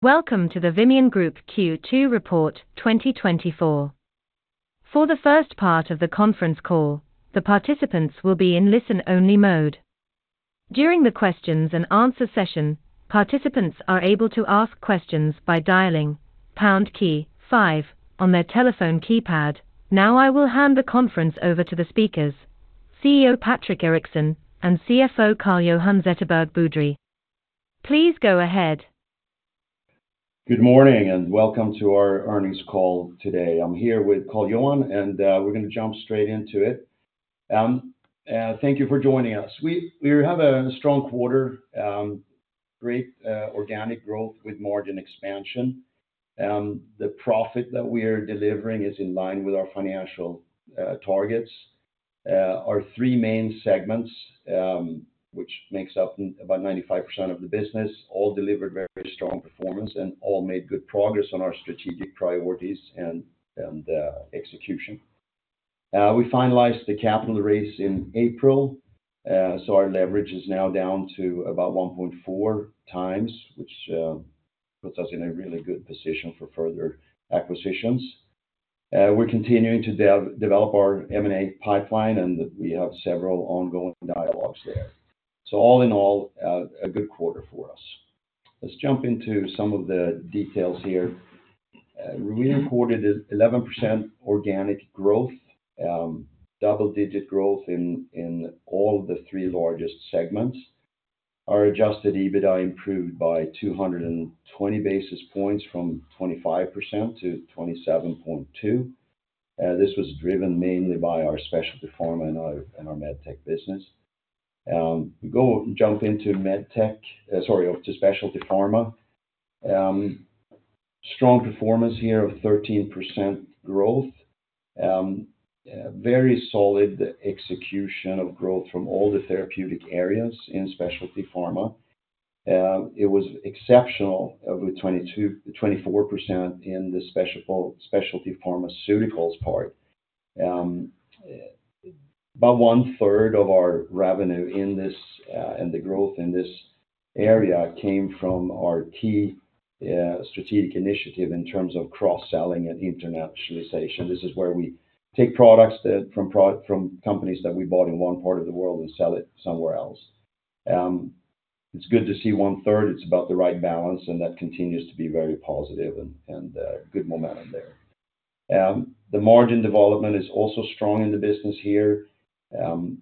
Welcome to the Vimian Group Q2 Report 2024. For the first part of the conference call, the participants will be in listen-only mode. During the questions and answer session, participants are able to ask questions by dialing pound key five on their telephone keypad. Now, I will hand the conference over to the speakers, CEO Patrik Eriksson and CFO Carl-Johan Zetterberg Boudrie. Please go ahead. Good morning, and welcome to our earnings call today. I'm here with Carl-Johan, and we're gonna jump straight into it. Thank you for joining us. We have a strong quarter, great organic growth with margin expansion. The profit that we are delivering is in line with our financial targets. Our three main segments, which makes up about 95% of the business, all delivered very strong performance and all made good progress on our strategic priorities and execution. We finalized the capital raise in April, so our leverage is now down to about 1.4x, which puts us in a really good position for further acquisitions. We're continuing to develop our M&A pipeline, and we have several ongoing dialogues there. So all in all, a good quarter for us. Let's jump into some of the details here. We reported 11% organic growth, double-digit growth in all three largest segments. Our adjusted EBITDA improved by 200 basis points from 25% to 27.2. This was driven mainly by our Specialty Pharma and our MedTech business. We go jump into MedTech, sorry, to Specialty Pharma. Strong performance here of 13% growth. Very solid execution of growth from all the therapeutic areas in Specialty Pharma. It was exceptional with 24% in the Specialty Pharmaceuticals part. About 1/3 of our revenue in this, and the growth in this area came from our key strategic initiative in terms of cross-selling and internationalization. This is where we take products from companies that we bought in one part of the world and sell it somewhere else. It's good to see one-third. It's about the right balance, and that continues to be very positive and good momentum there. The margin development is also strong in the business here.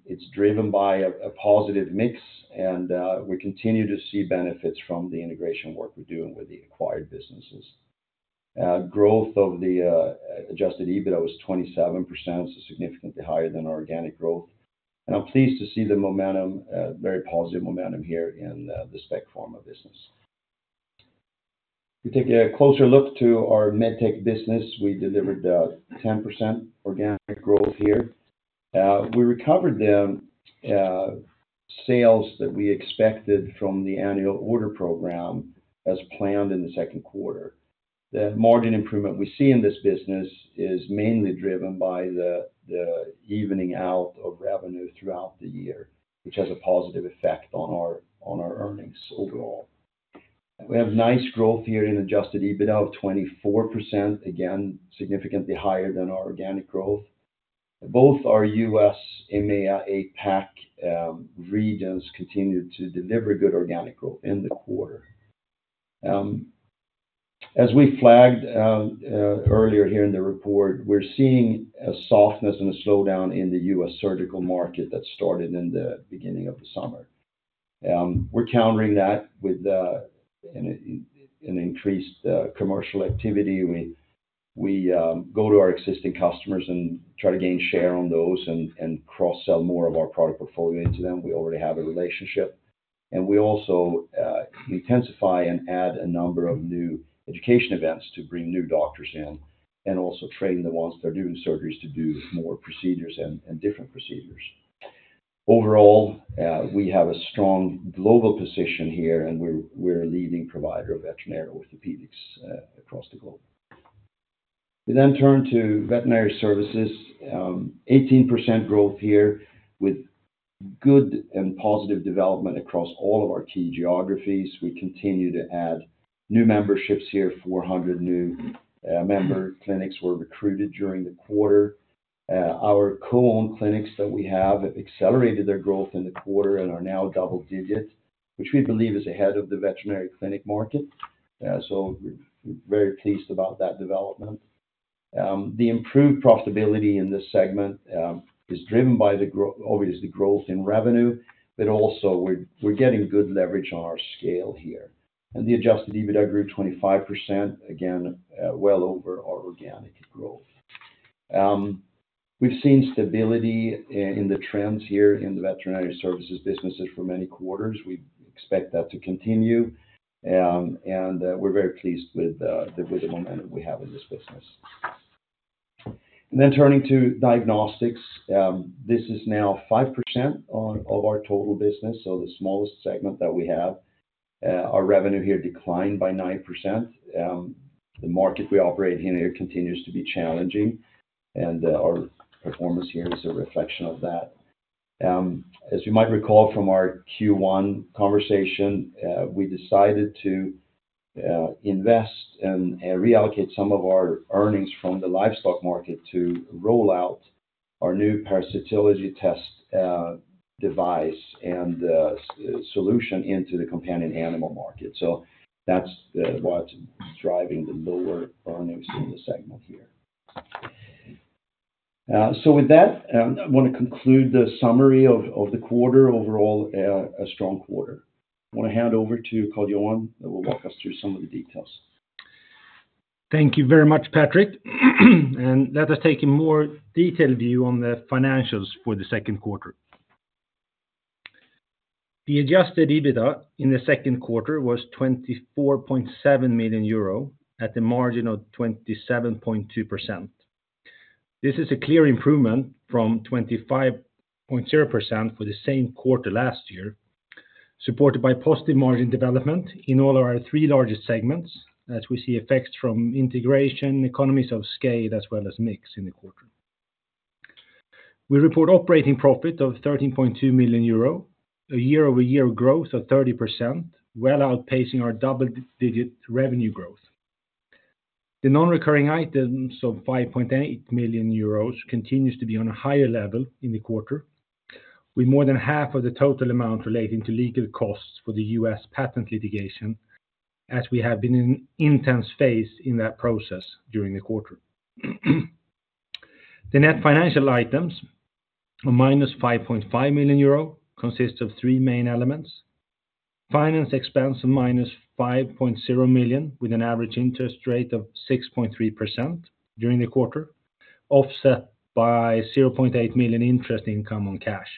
It's driven by a positive mix, and we continue to see benefits from the integration work we're doing with the acquired businesses. Growth of the Adjusted EBITDA was 27%, so significantly higher than organic growth. I'm pleased to see the momentum, very positive momentum here in the Spec Pharma business. We take a closer look to our MedTech business. We delivered 10% organic growth here. We recovered the sales that we expected from the Annual Order Program as planned in the second quarter. The margin improvement we see in this business is mainly driven by the evening out of revenue throughout the year, which has a positive effect on our earnings overall. We have nice growth here in adjusted EBITDA of 24%, again, significantly higher than our organic growth. Both our U.S., EMEA, APAC regions continued to deliver good organic growth in the quarter. As we flagged earlier here in the report, we're seeing a softness and a slowdown in the U.S. surgical market that started in the beginning of the summer. We're countering that with an increased commercial activity. We go to our existing customers and try to gain share on those and cross-sell more of our product portfolio to them. We already have a relationship, and we also intensify and add a number of new education events to bring new doctors in, and also train the ones that are doing surgeries to do more procedures and different procedures. Overall, we have a strong global position here, and we're a leading provider of veterinary orthopedics across the globe. We then turn to Veterinary Services, 18% growth here, with good and positive development across all of our key geographies. We continue to add new memberships here. 400 new member clinics were recruited during the quarter. Our co-owned clinics that we have accelerated their growth in the quarter and are now double digits, which we believe is ahead of the veterinary clinic market. So we're very pleased about that development. The improved profitability in this segment is driven by obviously, growth in revenue, but also we're getting good leverage on our scale here. And the Adjusted EBITDA grew 25%, again, well over our organic growth. We've seen stability in the trends here in the Veterinary Services businesses for many quarters. We expect that to continue, and we're very pleased with the good momentum we have in this business. And then turning to Diagnostics, this is now 5% of our total business, so the smallest segment that we have. Our revenue here declined by 9%. The market we operate in here continues to be challenging, and our performance here is a reflection of that. As you might recall from our Q1 conversation, we decided to invest and reallocate some of our earnings from the livestock market to roll out our new parasitology test, device and solution into the companion animal market. So that's what's driving the lower earnings in the segment here. So with that, I want to conclude the summary of the quarter. Overall, a strong quarter. I want to hand over to Carl-Johan, who will walk us through some of the details. Thank you very much, Patrik. Let us take a more detailed view on the financials for the second quarter. The adjusted EBITDA in the second quarter was 24.7 million euro, at the margin of 27.2%. This is a clear improvement from 25.0% for the same quarter last year, supported by positive margin development in all our three largest segments, as we see effects from integration, economies of scale, as well as mix in the quarter. We report operating profit of 13.2 million euro, a year-over-year growth of 30%, well outpacing our double-digit revenue growth. The non-recurring items of 5.8 million euros continues to be on a higher level in the quarter, with more than half of the total amount relating to legal costs for the U.S. patent litigation, as we have been in intense phase in that process during the quarter. The net financial items, a -5.5 million euro, consists of three main elements: finance expense of -5.0 million, with an average interest rate of 6.3% during the quarter, offset by 0.8 million interest income on cash.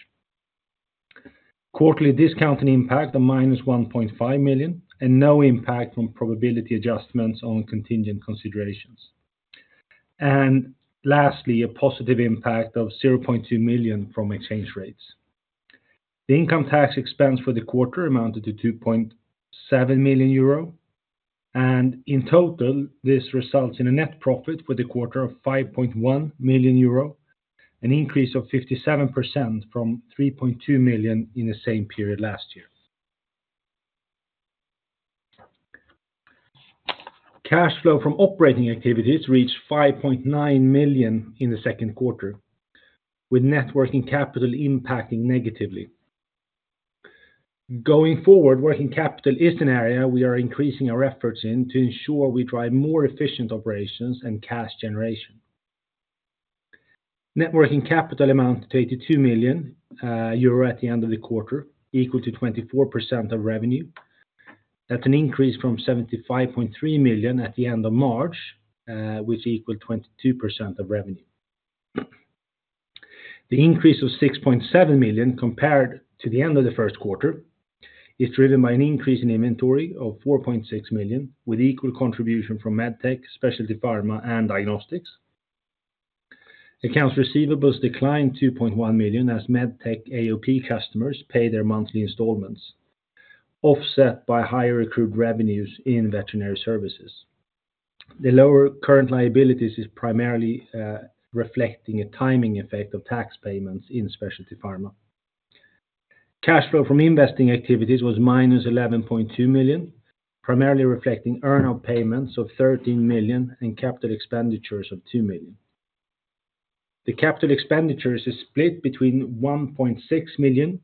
Quarterly discounting impact of -1.5 million, and no impact on probability adjustments on contingent considerations. And lastly, a positive impact of 0.2 million from exchange rates. The income tax expense for the quarter amounted to 2.7 million euro, and in total, this results in a net profit for the quarter of 5.1 million euro, an increase of 57% from 3.2 million in the same period last year. Cash flow from operating activities reached 5.9 million in the second quarter, with net working capital impacting negatively. Going forward, working capital is an area we are increasing our efforts in to ensure we drive more efficient operations and cash generation. Net working capital amount to 82 million euro at the end of the quarter, equal to 24% of revenue. That's an increase from 75.3 million at the end of March, which equaled 22% of revenue. The increase of EUR 6.7 million compared to the end of the first quarter is driven by an increase in inventory of 4.6 million, with equal contribution from MedTech, Specialty Pharma, and Diagnostics. Accounts receivable declined 2.1 million, as MedTech AOP customers pay their monthly installments, offset by higher accrued revenues in Veterinary Services. The lower current liabilities is primarily reflecting a timing effect of tax payments in Specialty Pharma. Cash flow from investing activities was -11.2 million, primarily reflecting earn-out payments of 13 million and capital expenditures of 2 million. The capital expenditures is split between 1.6 million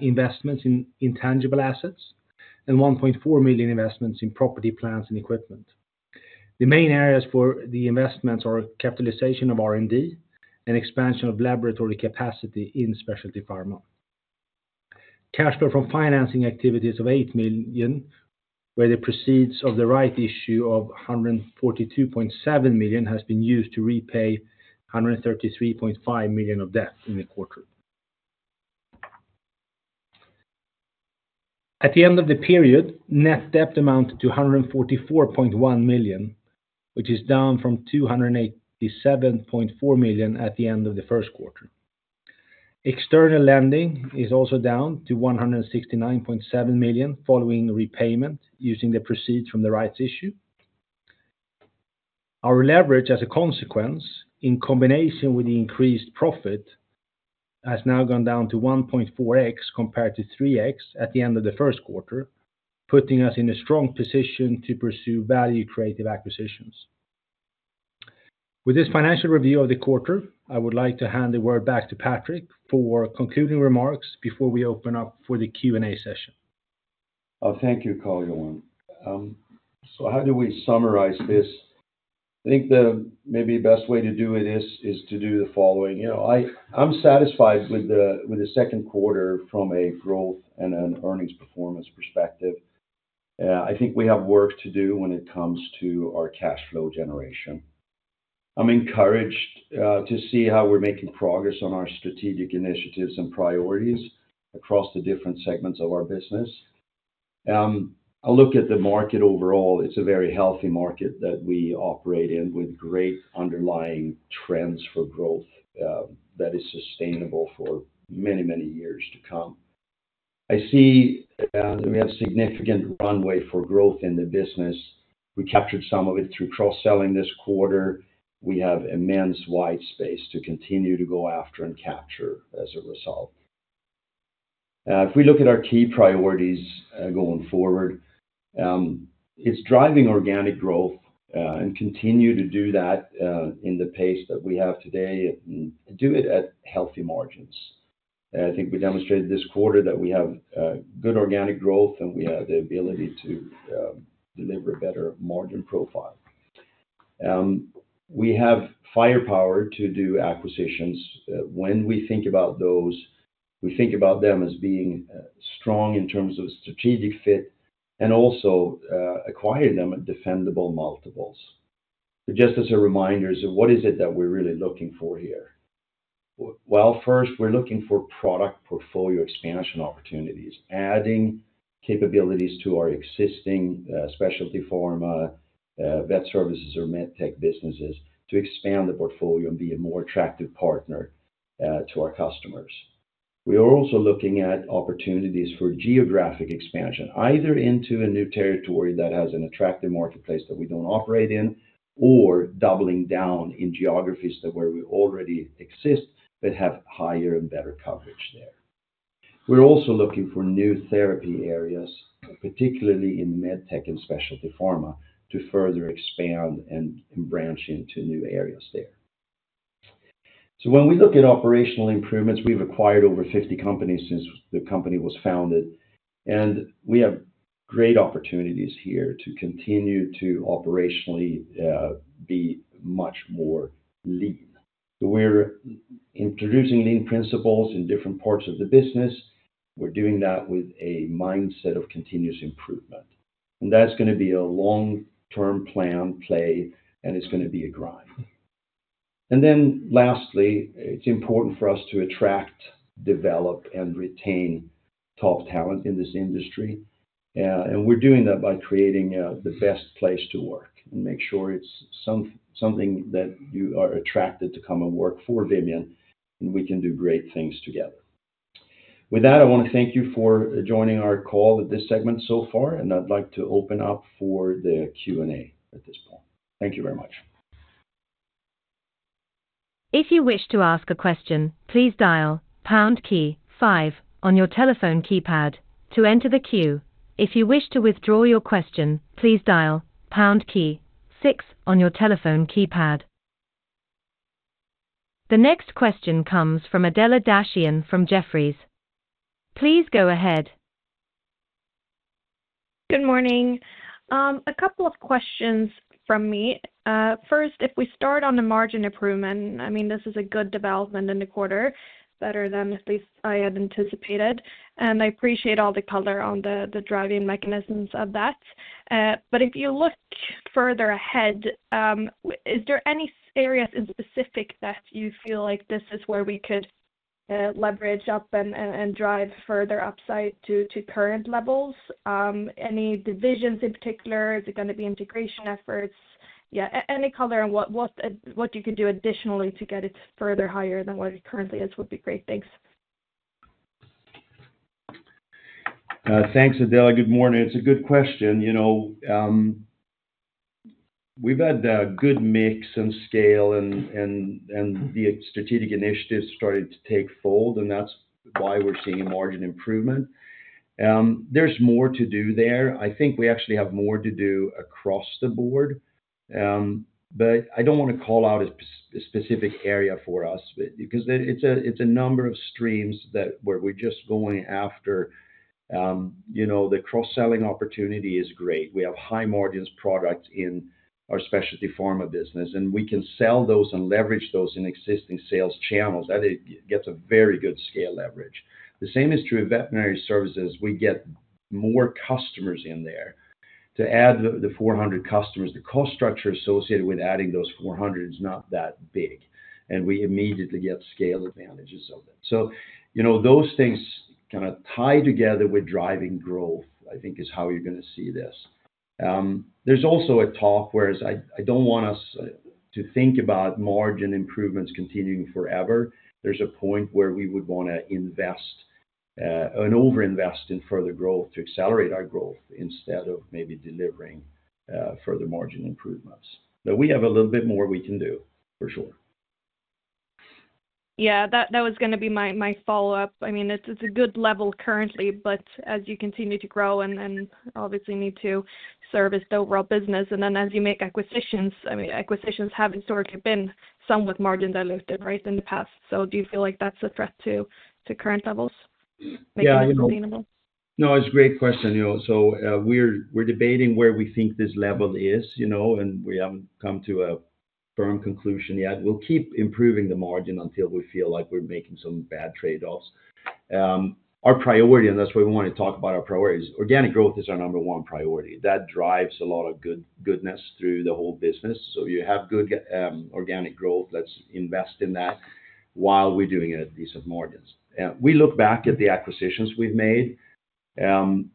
investments in intangible assets, and 1.4 million investments in property, plant, and equipment. The main areas for the investments are capitalization of R&D and expansion of laboratory capacity in Specialty Pharma. Cash flow from financing activities of 8 million, where the proceeds of the rights issue of 142.7 million has been used to repay 133.5 million of debt in the quarter. At the end of the period, net debt amounted to 144.1 million, which is down from 287.4 million at the end of the first quarter. External lending is also down to 169.7 million, following repayment using the proceeds from the rights issue. Our leverage, as a consequence, in combination with the increased profit, has now gone down to 1.4x, compared to 3x at the end of the first quarter, putting us in a strong position to pursue value-creative acquisitions. With this financial review of the quarter, I would like to hand the word back to Patrik for concluding remarks before we open up for the Q&A session. Oh, thank you, Carl-Johan. So how do we summarize this? I think the maybe best way to do it is to do the following: You know, I, I'm satisfied with the second quarter from a growth and an earnings performance perspective. I think we have work to do when it comes to our cash flow generation. I'm encouraged to see how we're making progress on our strategic initiatives and priorities across the different segments of our business. I look at the market overall, it's a very healthy market that we operate in, with great underlying trends for growth that is sustainable for many, many years to come. I see we have significant runway for growth in the business. We captured some of it through cross-selling this quarter. We have immense wide space to continue to go after and capture as a result. If we look at our key priorities going forward, it's driving organic growth and continue to do that in the pace that we have today and do it at healthy margins. I think we demonstrated this quarter that we have good organic growth, and we have the ability to deliver a better margin profile. We have firepower to do acquisitions. When we think about those, we think about them as being strong in terms of strategic fit and also acquire them at defendable multiples. But just as a reminder, so what is it that we're really looking for here? Well, first, we're looking for product portfolio expansion opportunities, adding capabilities to our existing Specialty Pharma, Vet Services or MedTech businesses, to expand the portfolio and be a more attractive partner to our customers. We are also looking at opportunities for geographic expansion, either into a new territory that has an attractive marketplace that we don't operate in, or doubling down in geographies that where we already exist, but have higher and better coverage there. We're also looking for new therapy areas, particularly in MedTech and Specialty Pharma, to further expand and branch into new areas there. So when we look at operational improvements, we've acquired over 50 companies since the company was founded, and we have great opportunities here to continue to operationally be much more lean. So we're introducing lean principles in different parts of the business. We're doing that with a mindset of continuous improvement, and that's gonna be a long-term plan play, and it's gonna be a grind. And then lastly, it's important for us to attract, develop, and retain top talent in this industry. And we're doing that by creating the best place to work and make sure it's something that you are attracted to come and work for Vimian, and we can do great things together. With that, I wanna thank you for joining our call at this segment so far, and I'd like to open up for the Q&A at this point. Thank you very much. If you wish to ask a question, please dial pound key five on your telephone keypad to enter the queue. If you wish to withdraw your question, please dial pound key six on your telephone keypad. The next question comes from Adela Dashian from Jefferies. Please go ahead. Good morning. A couple of questions from me. First, if we start on the margin improvement, I mean, this is a good development in the quarter, better than at least I had anticipated, and I appreciate all the color on the driving mechanisms of that. But if you look further ahead, is there any areas in specific that you feel like this is where we could leverage up and drive further upside to current levels? Any divisions in particular, is it gonna be integration efforts? Yeah, any color on what you can do additionally to get it further higher than what it currently is, would be great. Thanks. Thanks, Adela. Good morning. It's a good question. You know, we've had a good mix and scale and the strategic initiatives starting to take hold, and that's why we're seeing a margin improvement. There's more to do there. I think we actually have more to do across the board. But I don't wanna call out a specific area for us because it's a number of streams that we're just going after. You know, the cross-selling opportunity is great. We have high margins products in our Specialty Pharma business, and we can sell those and leverage those in existing sales channels. That gets a very good scale leverage. The same is true in Veterinary Services. We get more customers in there. To add the 400 customers, the cost structure associated with adding those 400 is not that big, and we immediately get scale advantages of it. So, you know, those things kinda tie together with driving growth, I think, is how you're gonna see this. There's also a talk, whereas I don't want us to think about margin improvements continuing forever. There's a point where we would wanna invest and over-invest in further growth to accelerate our growth instead of maybe delivering further margin improvements. But we have a little bit more we can do, for sure. Yeah, that was gonna be my follow-up. I mean, it's a good level currently, but as you continue to grow and then obviously need to service the overall business, and then as you make acquisitions, I mean, acquisitions have historically been some with margin diluted, right, in the past. So do you feel like that's a threat to current levels, to make it sustainable? Yeah, you know... No, it's a great question, you know. So, we're debating where we think this level is, you know, and we haven't come to a firm conclusion yet. We'll keep improving the margin until we feel like we're making some bad trade-offs. Our priority, and that's why we wanna talk about our priorities, organic growth is our number one priority. That drives a lot of goodness through the whole business. So you have good organic growth, let's invest in that while we're doing it at decent margins. We look back at the acquisitions we've made.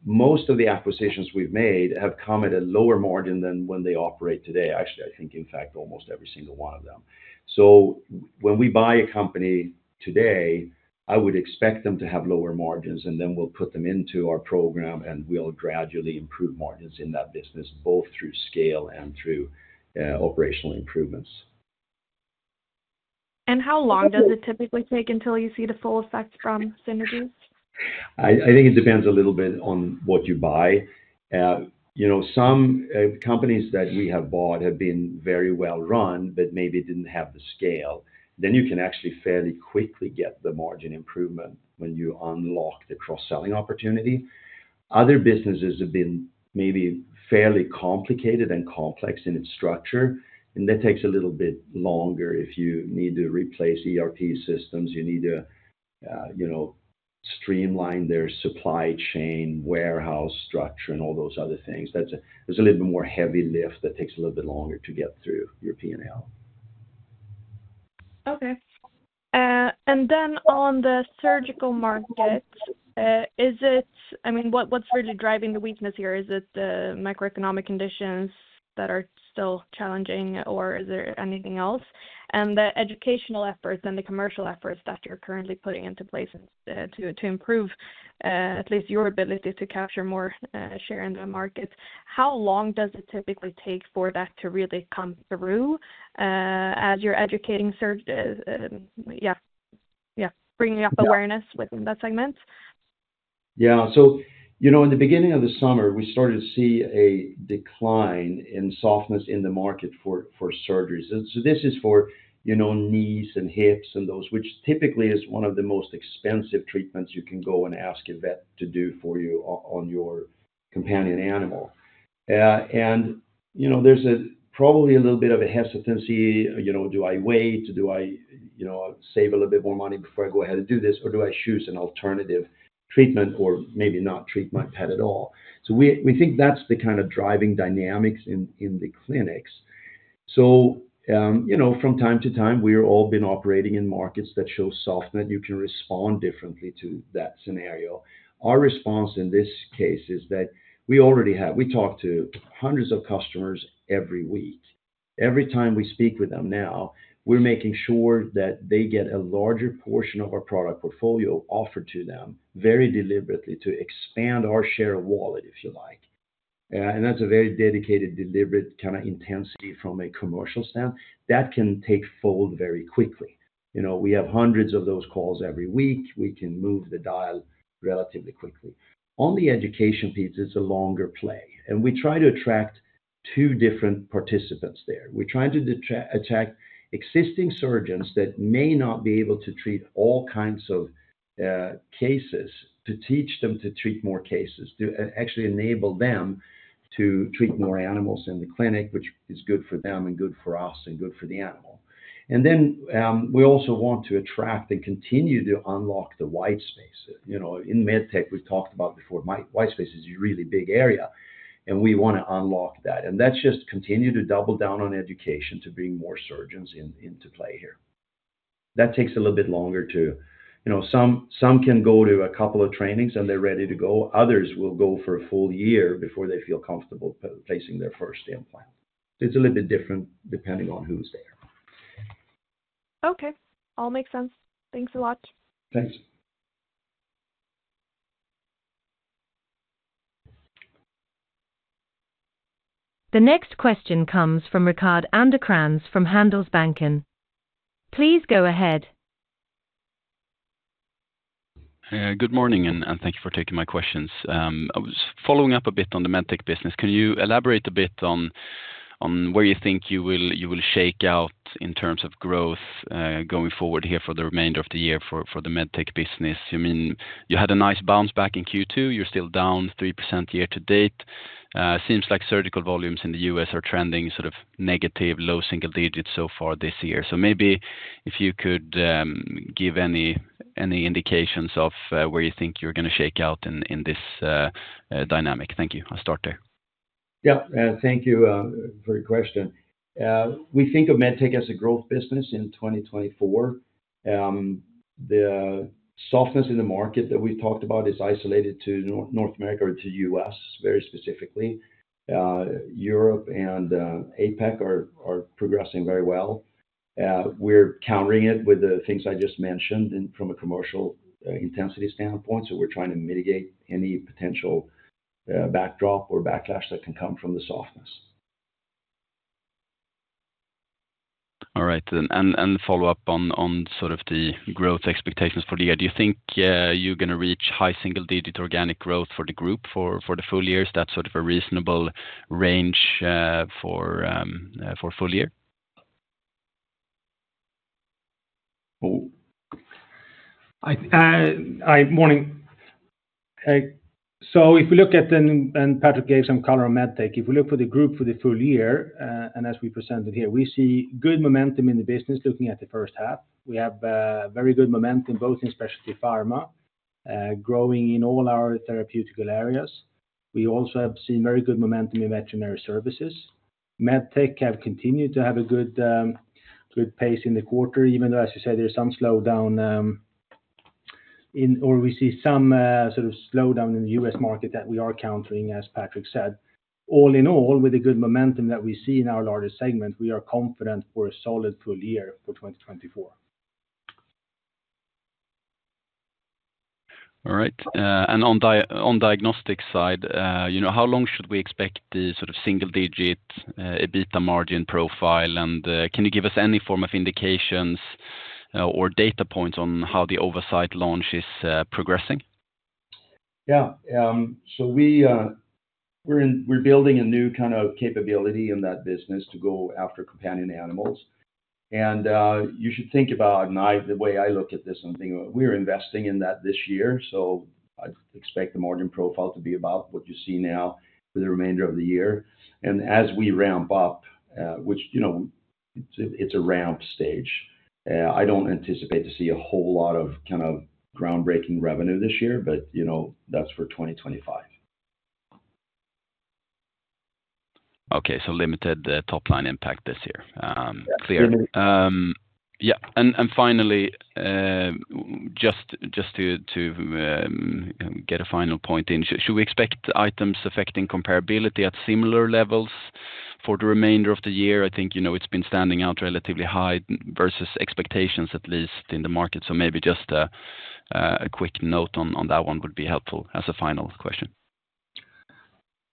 Most of the acquisitions we've made have come at a lower margin than when they operate today. Actually, I think, in fact, almost every single one of them. So when we buy a company today, I would expect them to have lower margins, and then we'll put them into our program, and we'll gradually improve margins in that business, both through scale and through operational improvements. How long does it typically take until you see the full effect from synergies? I think it depends a little bit on what you buy. You know, some companies that we have bought have been very well run but maybe didn't have the scale. Then you can actually fairly quickly get the margin improvement when you unlock the cross-selling opportunity. Other businesses have been maybe fairly complicated and complex in its structure, and that takes a little bit longer. If you need to replace ERP systems, you need to, you know, streamline their supply chain, warehouse structure, and all those other things. That's, there's a little bit more heavy lift that takes a little bit longer to get through your P&L. Okay. And then on the surgical market, is it... I mean, what, what's really driving the weakness here? Is it the macroeconomic conditions that are still challenging, or is there anything else? And the educational efforts and the commercial efforts that you're currently putting into place, to improve at least your ability to capture more share in the market, how long does it typically take for that to really come through, as you're educating, bringing up awareness with that segment? Yeah. So, you know, in the beginning of the summer, we started to see a decline in softness in the market for surgeries. And so this is for, you know, knees and hips and those, which typically is one of the most expensive treatments you can go and ask a vet to do for you on your companion animal. And, you know, there's probably a little bit of a hesitancy. You know, do I wait, do I, you know, save a little bit more money before I go ahead and do this, or do I choose an alternative treatment or maybe not treat my pet at all? So we think that's the kind of driving dynamics in the clinics. So, you know, from time to time, we've all been operating in markets that show softness. You can respond differently to that scenario. Our response, in this case, is that we talk to hundreds of customers every week. Every time we speak with them now, we're making sure that they get a larger portion of our product portfolio offered to them very deliberately to expand our share of wallet, if you like. And that's a very dedicated, deliberate kind of intensity from a commercial standpoint. That can take hold very quickly. You know, we have hundreds of those calls every week. We can move the dial relatively quickly. On the education piece, it's a longer play, and we try to attract two different participants there. We're trying to attract existing surgeons that may not be able to treat all kinds of cases, to teach them to treat more cases, to actually enable them to treat more animals in the clinic, which is good for them and good for us and good for the animal. And then, we also want to attract and continue to unlock the wide space. You know, in med tech, we've talked about before, wide space is a really big area, and we wanna unlock that. And that's just continue to double down on education to bring more surgeons into play here. That takes a little bit longer to... You know, some can go to a couple of trainings, and they're ready to go. Others will go for a full year before they feel comfortable placing their first implant. It's a little bit different depending on who's there. Okay. All makes sense. Thanks a lot. Thanks. The next question comes from Rickard Anderkrans from Handelsbanken. Please go ahead. Good morning, and thank you for taking my questions. I was following up a bit on the MedTech business. Can you elaborate a bit on where you think you will shake out in terms of growth going forward here for the remainder of the year for the MedTech business? You mean, you had a nice bounce back in Q2. You're still down 3% year to date. Seems like surgical volumes in the U.S. are trending sort of negative, low single digits so far this year. So maybe if you could give any indications of where you think you're gonna shake out in this dynamic. Thank you. I'll start there. Yeah, thank you, for your question. We think of med tech as a growth business in 2024. The softness in the market that we've talked about is isolated to North America or to U.S., very specifically. Europe and, APAC are, are progressing very well. We're countering it with the things I just mentioned and from a commercial, intensity standpoint, so we're trying to mitigate any potential, backdrop or backlash that can come from the softness. All right. And follow up on sort of the growth expectations for the year. Do you think you're gonna reach high single-digit organic growth for the group for the full year? Is that sort of a reasonable range for full year? Oh, I- Hi. Morning. So if you look at the... And Patrick gave some color on MedTech. If we look for the group for the full year, and as we presented here, we see good momentum in the business looking at the first half. We have very good momentum both in Specialty Pharma, growing in all our therapeutic areas... We also have seen very good momentum in Veterinary Services. MedTech have continued to have a good, good pace in the quarter, even though, as you said, there's some slowdown, in or we see some sort of slowdown in the U.S. market that we are countering, as Patrick said. All in all, with the good momentum that we see in our largest segment, we are confident for a solid full year for 2024. All right, and on diagnostics side, you know, how long should we expect the sort of single digit EBITDA margin profile? And, can you give us any form of indications or data points on how the Ovacyte launch is progressing? Yeah. So we're building a new kind of capability in that business to go after companion animals. And, you should think about, the way I look at this and think about, we're investing in that this year, so I expect the margin profile to be about what you see now for the remainder of the year. And as we ramp up, which, you know, it's, it's a ramp stage, I don't anticipate to see a whole lot of kind of groundbreaking revenue this year, but, you know, that's for 2025. Okay, so limited the top line impact this year. Yeah. Clear. Yeah, and finally, just to get a final point in. Should we expect items affecting comparability at similar levels for the remainder of the year? I think, you know, it's been standing out relatively high versus expectations, at least in the market. So maybe just a quick note on that one would be helpful as a final question.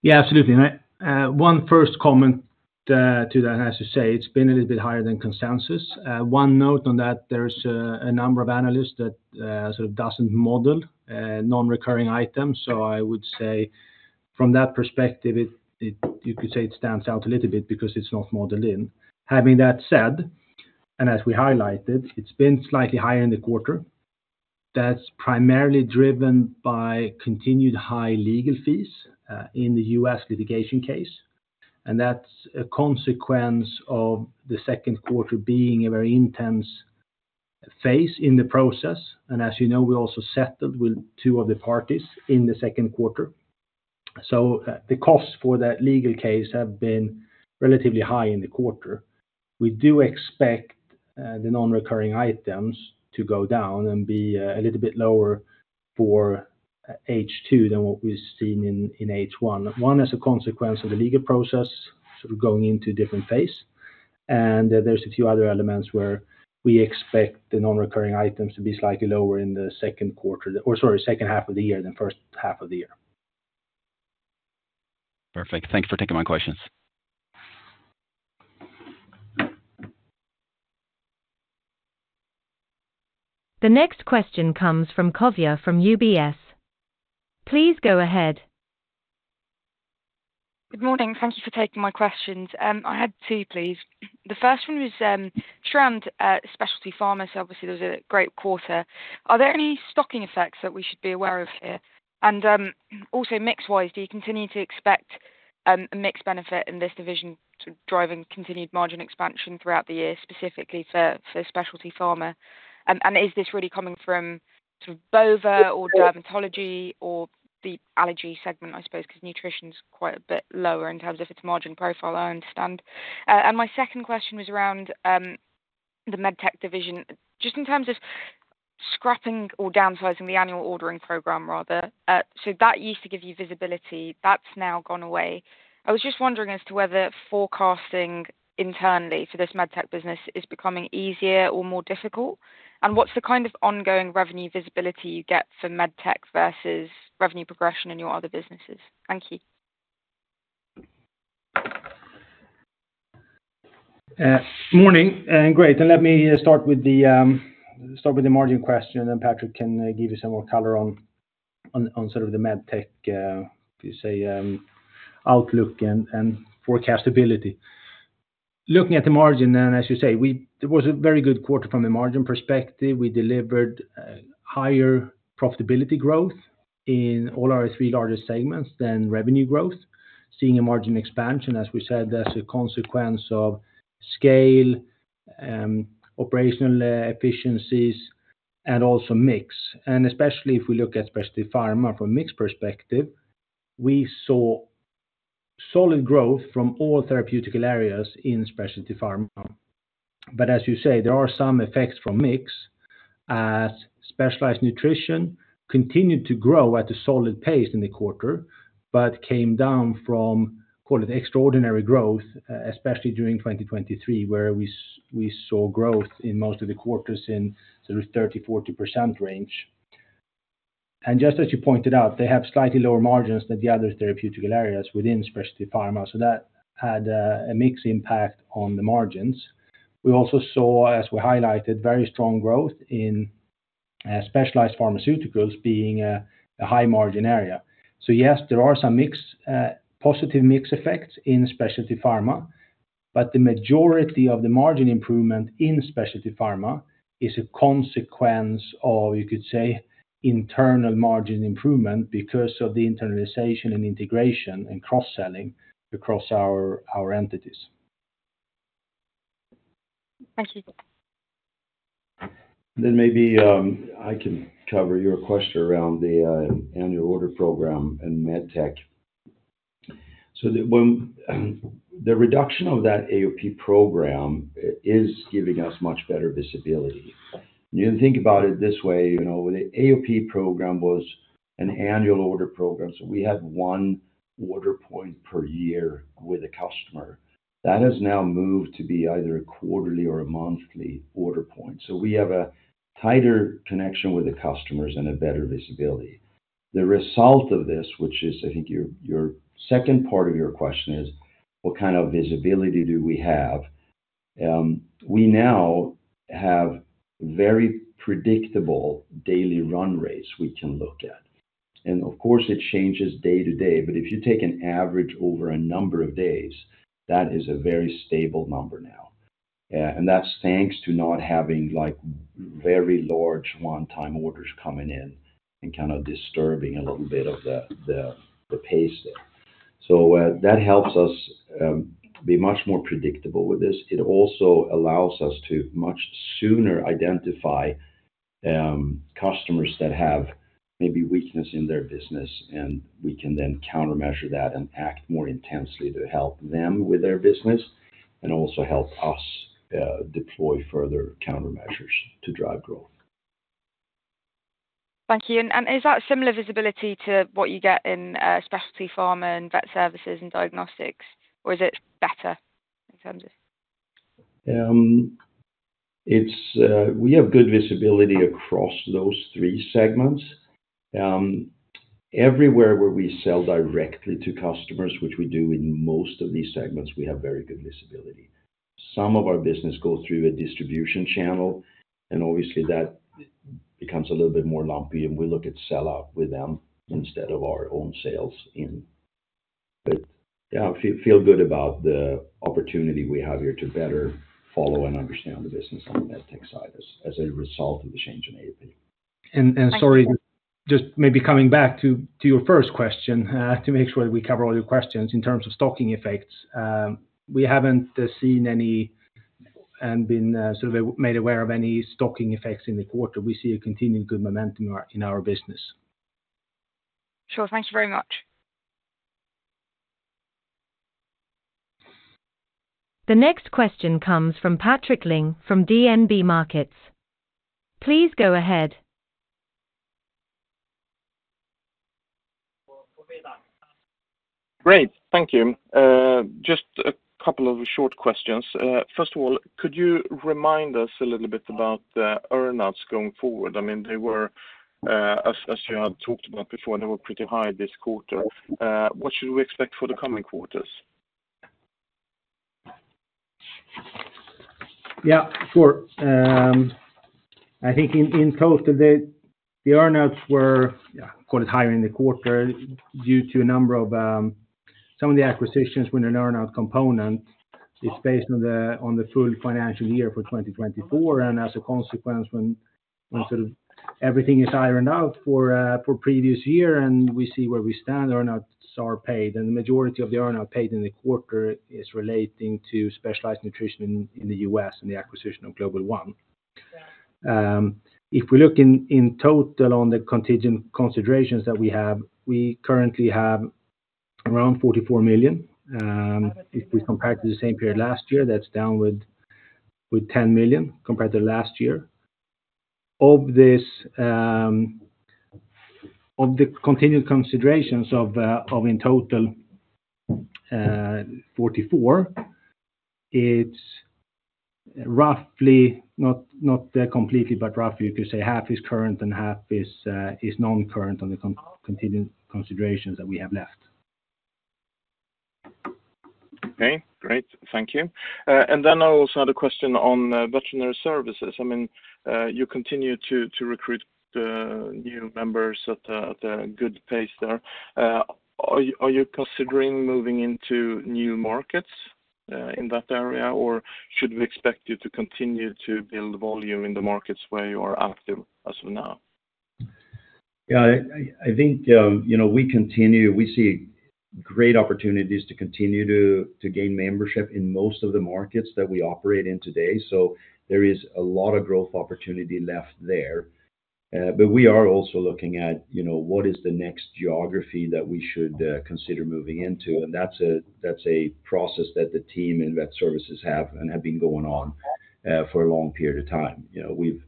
Yeah, absolutely. One first comment to that, as you say, it's been a little bit higher than consensus. One note on that, there's a number of analysts that sort of doesn't model non-recurring items. So I would say from that perspective, you could say it stands out a little bit because it's not modeled in. Having that said, as we highlighted, it's been slightly higher in the quarter. That's primarily driven by continued high legal fees in the U.S. litigation case, and that's a consequence of the second quarter being a very intense phase in the process. As you know, we also settled with two of the parties in the second quarter. So, the costs for that legal case have been relatively high in the quarter. We do expect the non-recurring items to go down and be a little bit lower for H2 than what we've seen in in H1. One, as a consequence of the legal process, sort of going into a different phase. And there's a few other elements where we expect the non-recurring items to be slightly lower in the second quarter or, sorry, second half of the year than first half of the year. Perfect. Thank you for taking my questions. The next question comes from Kavya from UBS. Please go ahead. Good morning. Thank you for taking my questions. I had two, please. The first one was around Specialty Pharma. So obviously, there's a great quarter. Are there any stocking effects that we should be aware of here? And also, mix-wise, do you continue to expect a mix benefit in this division to driving continued margin expansion throughout the year, specifically for Specialty Pharma? And is this really coming from sort of Bova or dermatology or the allergy segment, I suppose, because nutrition is quite a bit lower in terms of its margin profile, I understand. And my second question was around the MedTech division. Just in terms of scrapping or downsizing the Annual Order Program rather, so that used to give you visibility, that's now gone away. I was just wondering as to whether forecasting internally for this MedTech business is becoming easier or more difficult, and what's the kind of ongoing revenue visibility you get for MedTech versus revenue progression in your other businesses? Thank you. Morning, and great. And let me start with the margin question, and Patrik can give you some more color on sort of the MedTech outlook and forecastability. Looking at the margin, and as you say, it was a very good quarter from a margin perspective. We delivered higher profitability growth in all our three largest segments than revenue growth. Seeing a margin expansion, as we said, that's a consequence of scale, operational efficiencies and also mix. And especially if we look at Specialty Pharma from mix perspective, we saw solid growth from all therapeutic areas in Specialty Pharma. But as you say, there are some effects from mix, as Specialized Nutrition continued to grow at a solid pace in the quarter, but came down from, call it extraordinary growth, especially during 2023, where we saw growth in most of the quarters in the 30%-40% range. And just as you pointed out, they have slightly lower margins than the other therapeutic areas within Specialty Pharma, so that had a mix impact on the margins. We also saw, as we highlighted, very strong growth in Specialized Pharmaceuticals being a high margin area. So yes, there are some mix positive mix effects in Specialty Pharma, but the majority of the margin improvement in Specialty Pharma is a consequence of, you could say, internal margin improvement because of the internalization and integration and cross-selling across our entities.... Thank you. Then maybe, I can cover your question around the, Annual Order Program and MedTech. So, the reduction of that AOP program is giving us much better visibility. You can think about it this way, you know, the AOP program was an Annual Order Program, so we had one order point per year with a customer. That has now moved to be either a quarterly or a monthly order point. So we have a tighter connection with the customers and a better visibility. The result of this, which is, I think, your, your second part of your question is, what kind of visibility do we have? We now have very predictable daily run rates we can look at. And, of course, it changes day to day, but if you take an average over a number of days, that is a very stable number now. And that's thanks to not having, like, very large one-time orders coming in and kind of disturbing a little bit of the pace there. So, that helps us be much more predictable with this. It also allows us to much sooner identify customers that have maybe weakness in their business, and we can then countermeasure that and act more intensely to help them with their business, and also help us deploy further countermeasures to drive growth. Thank you. And, is that similar visibility to what you get in, specialty pharma and vet services and diagnostics, or is it better in terms of? It's, we have good visibility across those three segments. Everywhere where we sell directly to customers, which we do in most of these segments, we have very good visibility. Some of our business goes through a distribution channel, and obviously that becomes a little bit more lumpy, and we look at sellout with them instead of our own sales in. But, yeah, feel, feel good about the opportunity we have here to better follow and understand the business on the MedTech side as, as a result of the change in AP. Sorry, just maybe coming back to your first question, to make sure that we cover all your questions. In terms of stocking effects, we haven't seen any and been made aware of any stocking effects in the quarter. We see a continued good momentum in our business. Sure. Thank you very much. The next question comes from Patrik Ling from DNB Markets. Please go ahead. Great, thank you. Just a couple of short questions. First of all, could you remind us a little bit about the earn-outs going forward? I mean, they were, as you had talked about before, they were pretty high this quarter. What should we expect for the coming quarters? Yeah, sure. I think in, in total, the, the earn-outs were, yeah, quite higher in the quarter due to a number of, some of the acquisitions when an earn-out component is based on the, on the full financial year for 2024. And as a consequence, when, when sort of everything is ironed out for, for previous year, and we see where we stand, earn-outs are paid, and the majority of the earn-out paid in the quarter is relating to specialized nutrition in, in the U.S. and the acquisition of Global ONE. If we look in, in total on the contingent considerations that we have, we currently have around 44 million. If we compare to the same period last year, that's downward with 10 million compared to last year. Of this, the contingent considerations in total EUR 44, it's roughly, not completely, but roughly you could say half is current and half is non-current on the contingent considerations that we have left. Okay, great. Thank you. And then I also had a question on Veterinary Services. I mean, you continue to recruit new members at a good pace there. Are you considering moving into new markets in that area, or should we expect you to continue to build volume in the markets where you are active as of now? Yeah, I think, you know, we continue, we see great opportunities to continue to gain membership in most of the markets that we operate in today, so there is a lot of growth opportunity left there. But we are also looking at, you know, what is the next geography that we should consider moving into? And that's a process that the team in Vet Services have been going on for a long period of time. You know, we've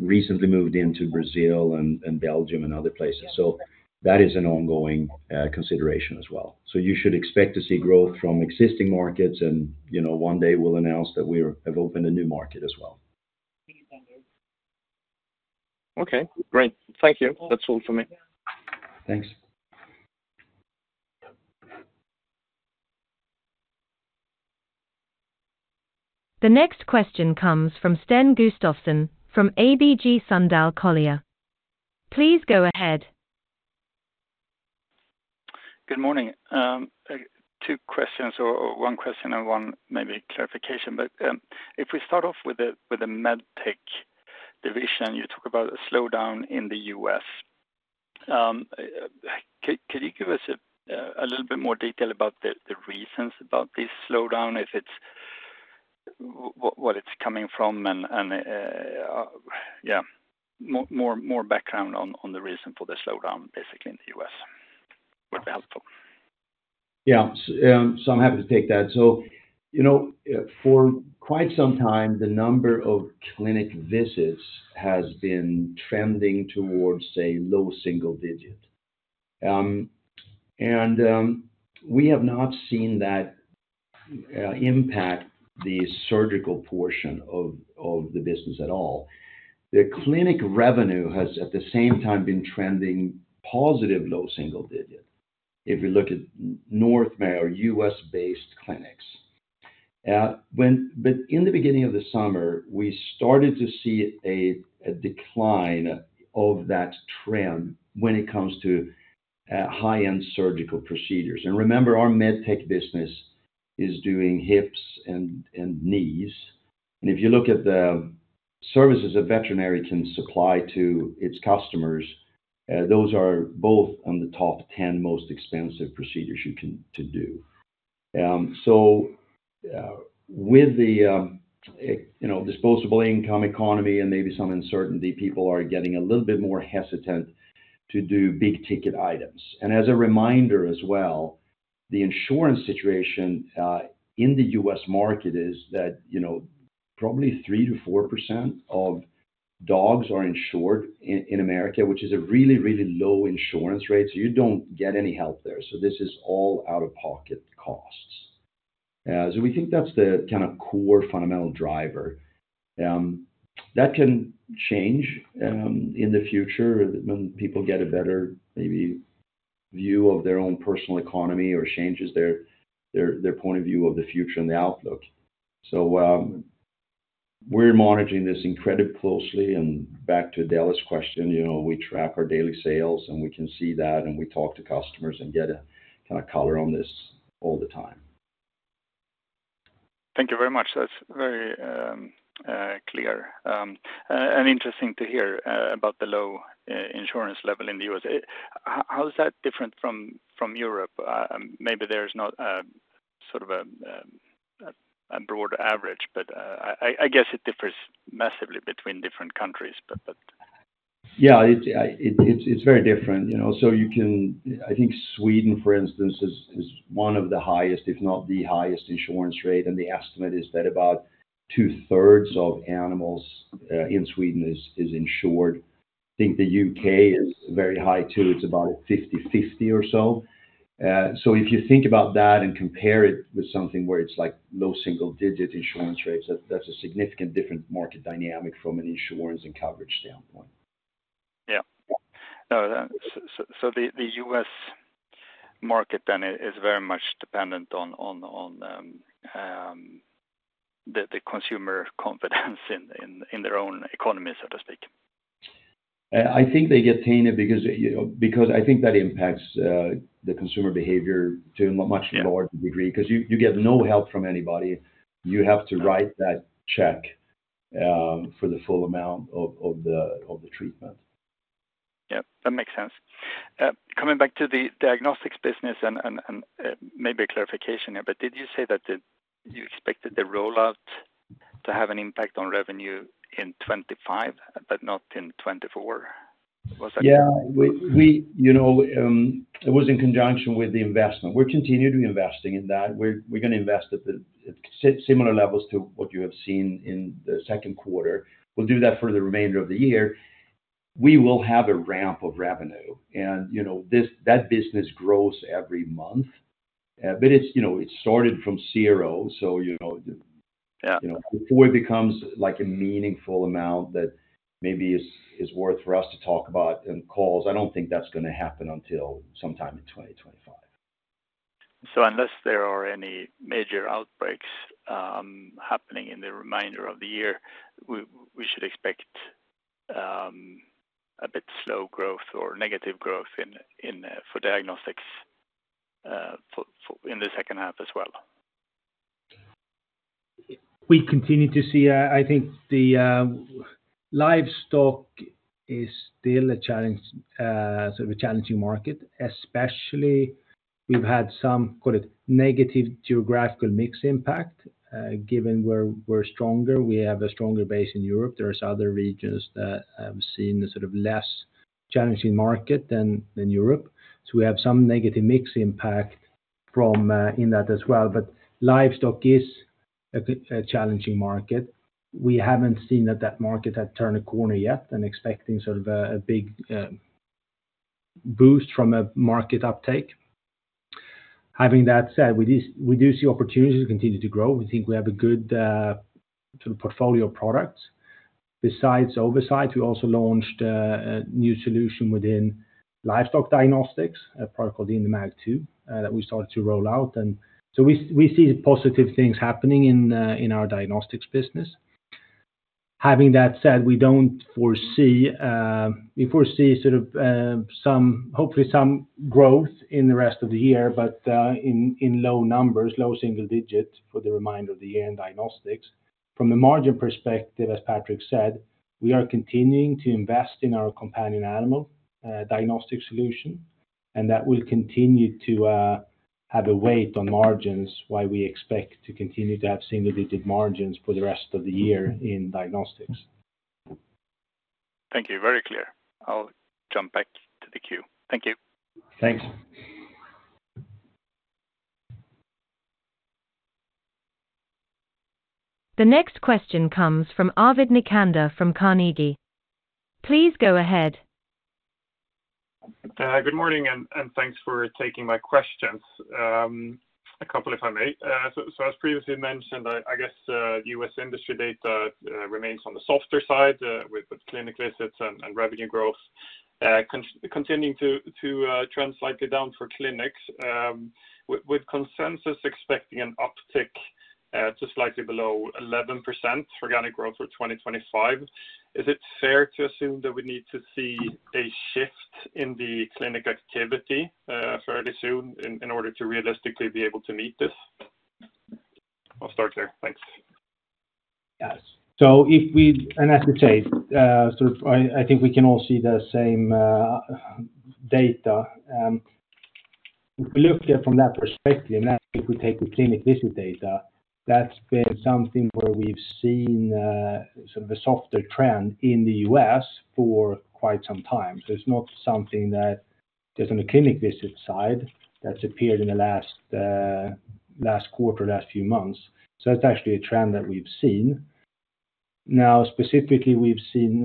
recently moved into Brazil and Belgium and other places, so that is an ongoing consideration as well. So you should expect to see growth from existing markets, and, you know, one day we'll announce that we're have opened a new market as well. Okay, great. Thank you. That's all for me. Thanks. The next question comes from Sten Gustafsson from ABG Sundal Collier. Please go ahead. Good morning, two questions, or one question and one maybe clarification, but if we start off with the MedTech division, you talk about a slowdown in the U.S.... could you give us a little bit more detail about the reasons about this slowdown, if it's what it's coming from, and yeah, more background on the reason for the slowdown, basically, in the U.S. would be helpful. Yeah. So, I'm happy to take that. So, you know, for quite some time, the number of clinic visits has been trending towards, say, low single digit. And, we have not seen that impact the surgical portion of the business at all. The clinic revenue has, at the same time, been trending positive low single digit, if you look at North American U.S.-based clinics. But in the beginning of the summer, we started to see a decline of that trend when it comes to high-end surgical procedures. And remember, our MedTech business is doing hips and knees. And if you look at the services a veterinarian supply to its customers, those are both on the top 10 most expensive procedures you can do. So, with the, you know, disposable income economy and maybe some uncertainty, people are getting a little bit more hesitant to do big-ticket items. And as a reminder as well, the insurance situation, in the U.S. market is that, you know, probably 3%-4% of dogs are insured in, in America, which is a really, really low insurance rate, so you don't get any help there. So this is all out-of-pocket costs. So we think that's the kind of core fundamental driver. That can change, in the future when people get a better maybe view of their own personal economy or changes their, their, their point of view of the future and the outlook. So, we're monitoring this incredibly closely. Back to Adela's question, you know, we track our daily sales, and we can see that, and we talk to customers and get a kind of color on this all the time. Thank you very much. That's very clear and interesting to hear about the low insurance level in the U.S. How is that different from Europe? Maybe there's not sort of a broader average, but I guess it differs massively between different countries, but Yeah, it's very different, you know. So I think Sweden, for instance, is one of the highest, if not the highest, insurance rate, and the estimate is that about 2/3 of animals in Sweden is insured. I think the U.K. is very high, too. It's about 50/50 or so. So if you think about that and compare it with something where it's like low single-digit insurance rates, that's a significant different market dynamic from an insurance and coverage standpoint. Yeah. No, so the U.S. market then is very much dependent on the consumer confidence in their own economy, so to speak. I think they get tainted because, you know, because I think that impacts the consumer behavior to a much- Yeah... larger degree, 'cause you get no help from anybody. You have to write that check for the full amount of the treatment. Yeah, that makes sense. Coming back to the Diagnostics business and maybe a clarification, but did you say that you expected the rollout to have an impact on revenue in 2025, but not in 2024? Was that- Yeah, you know, it was in conjunction with the investment. We're continuing investing in that. We're gonna invest at the, at similar levels to what you have seen in the second quarter. We'll do that for the remainder of the year. We will have a ramp of revenue and, you know, this, that business grows every month. But it's, you know, it started from zero, so, you know- Yeah... You know, before it becomes like a meaningful amount that maybe is worth for us to talk about in calls, I don't think that's gonna happen until sometime in 2025. So unless there are any major outbreaks happening in the remainder of the year, we should expect a bit slow growth or negative growth in Diagnostics in the second half as well? We continue to see, I think the, livestock is still a challenge, sort of a challenging market, especially, we've had some, call it negative geographic mix impact, given we're, we're stronger. We have a stronger base in Europe. There's other regions that have seen a sort of less challenging market than Europe. So we have some negative mix impact from, in that as well. But livestock is a challenging market. We haven't seen that market has turned a corner yet and expecting sort of a big boost from a market uptake. Having that said, we do see opportunities to continue to grow. We think we have a good, sort of portfolio of products. Besides Ovacyte, we also launched a new solution within livestock diagnostics, a product called the IndiMag 2, that we started to roll out. And so we see positive things happening in our diagnostics business. Having that said, we don't foresee, we foresee sort of, hopefully some growth in the rest of the year, but, in low numbers, low single digits for the remainder of the year in diagnostics. From a margin perspective, as Patrik said, we are continuing to invest in our companion animal diagnostic solution, and that will continue to have a weight on margins while we expect to continue to have same additive margins for the rest of the year in diagnostics. Thank you. Very clear. I'll jump back to the queue. Thank you. Thanks. The next question comes from Arvid Necander from Carnegie. Please go ahead. Good morning, and thanks for taking my questions. A couple, if I may. So as previously mentioned, I guess, U.S. industry data remains on the softer side, with clinic visits and revenue growth continuing to trend slightly down for clinics. With consensus expecting an uptick to slightly below 11% organic growth for 2025, is it fair to assume that we need to see a shift in the clinic activity fairly soon in order to realistically be able to meet this? I'll start there. Thanks. Yes. So if we... And as I said, so I, I think we can all see the same, data. If we look at it from that perspective, and that if we take the clinic visit data, that's been something where we've seen, sort of a softer trend in the U.S. for quite some time. So it's not something that just on the clinic visit side, that's appeared in the last, last quarter, last few months. So that's actually a trend that we've seen. Now, specifically, we've seen,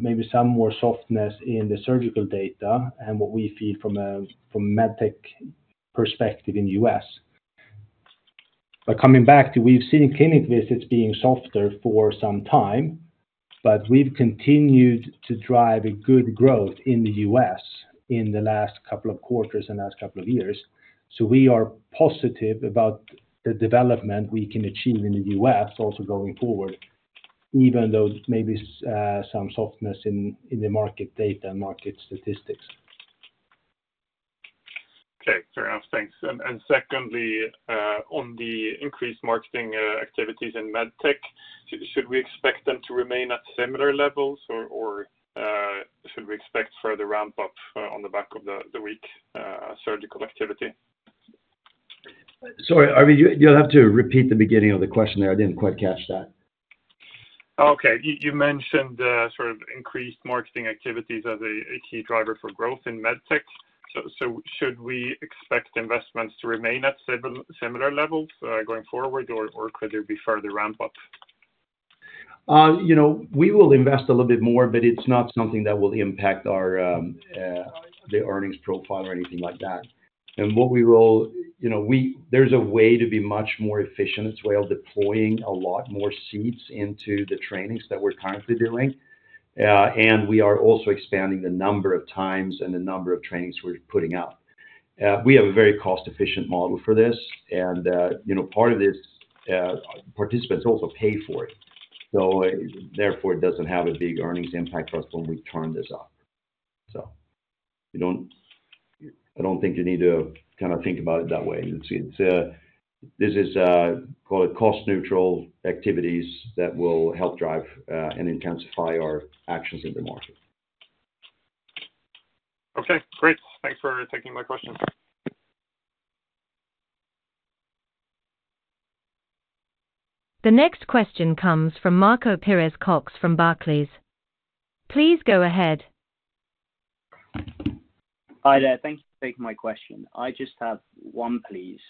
maybe some more softness in the surgical data and what we see from a, from med tech perspective in U.S. But coming back to we've seen clinic visits being softer for some time, but we've continued to drive a good growth in the U.S. in the last couple of quarters and last couple of years. So we are positive about the development we can achieve in the U.S., also going forward, even though there may be some softness in the market data and market statistics. Okay, fair enough. Thanks. And secondly, on the increased marketing activities in MedTech, should we expect them to remain at similar levels, or should we expect further ramp up, on the back of the weak surgical activity? Sorry, Arvid, you'll have to repeat the beginning of the question there. I didn't quite catch that. Okay. You mentioned sort of increased marketing activities as a key driver for growth in med tech. So should we expect investments to remain at similar levels going forward, or could there be further ramp up? You know, we will invest a little bit more, but it's not something that will impact our the earnings profile or anything like that. You know, there's a way to be much more efficient as well, deploying a lot more seats into the trainings that we're currently doing. We are also expanding the number of times and the number of trainings we're putting out. We have a very cost-efficient model for this, and, you know, part of this, participants also pay for it. So therefore, it doesn't have a big earnings impact for us when we turn this up. I don't think you need to kinda think about it that way. It's, this is, call it, cost neutral activities that will help drive and intensify our actions in the market. Okay, great. Thanks for taking my question. The next question comes from Marco Pires-Cox from Barclays. Please go ahead. Hi there. Thank you for taking my question. I just have one, please,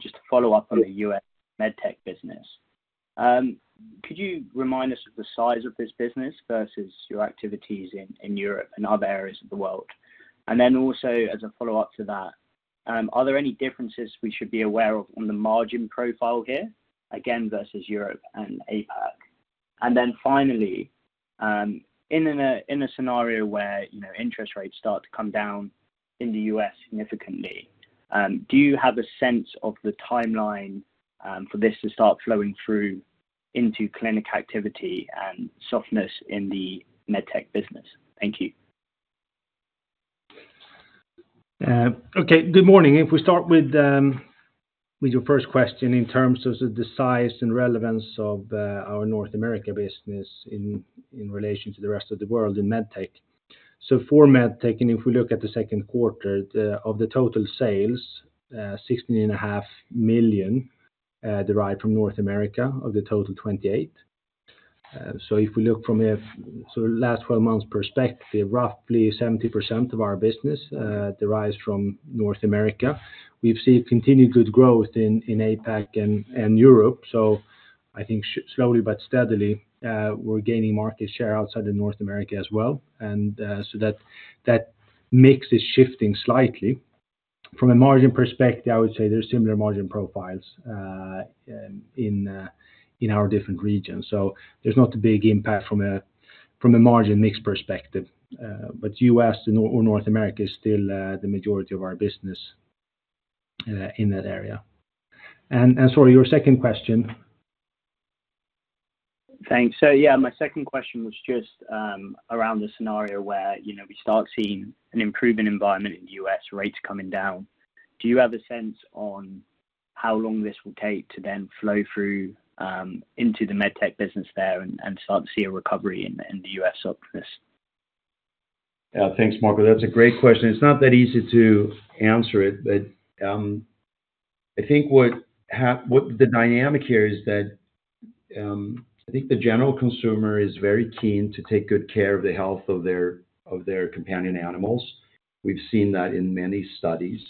just to follow up on the U.S. MedTech business. Could you remind us of the size of this business versus your activities in Europe and other areas of the world? And then also, as a follow-up to that, are there any differences we should be aware of on the margin profile here, again, versus Europe and APAC? And then finally, in a scenario where, you know, interest rates start to come down in the U.S. significantly, do you have a sense of the timeline for this to start flowing through into clinic activity and softness in the MedTech business? Thank you. Okay, good morning. If we start with your first question in terms of the size and relevance of our North America business in relation to the rest of the world in med tech. So for med tech, and if we look at the second quarter, of the total sales 16.5 million derived from North America of the total 28 million. So if we look from a sort of last twelve months perspective, roughly 70% of our business derives from North America. We've seen continued good growth in APAC and Europe, so I think slowly but steadily we're gaining market share outside of North America as well. And so that mix is shifting slightly. From a margin perspective, I would say there's similar margin profiles in our different regions. So there's not a big impact from a margin mix perspective, but U.S. or North America is still the majority of our business in that area. And sorry, your second question? Thanks. So yeah, my second question was just around the scenario where, you know, we start seeing an improvement environment in the U.S., rates coming down. Do you have a sense on how long this will take to then flow through into the med tech business there and, and start to see a recovery in the, in the US softness? Thanks, Marco. That's a great question. It's not that easy to answer it, but, I think what the dynamic here is that, I think the general consumer is very keen to take good care of the health of their companion animals. We've seen that in many studies,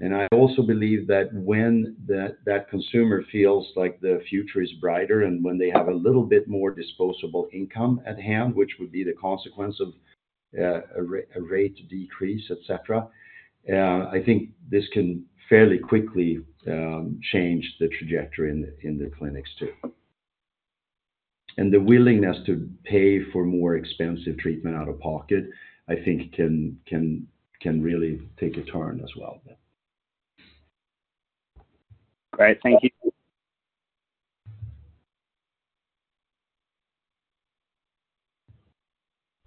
and I also believe that when that consumer feels like the future is brighter and when they have a little bit more disposable income at hand, which would be the consequence of, a rate decrease, et cetera, I think this can fairly quickly change the trajectory in the clinics, too. And the willingness to pay for more expensive treatment out of pocket, I think can really take a turn as well. Great. Thank you.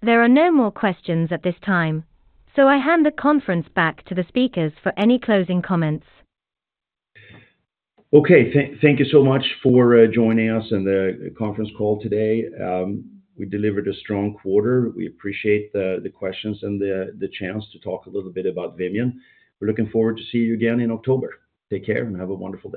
There are no more questions at this time, so I hand the conference back to the speakers for any closing comments. Okay. Thank, thank you so much for joining us on the conference call today. We delivered a strong quarter. We appreciate the questions and the chance to talk a little bit about Vimian. We're looking forward to see you again in October. Take care, and have a wonderful day.